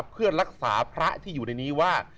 เพื่อรักษาพระที่อยู่ในนี้ว่า